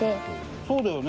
そうだよね。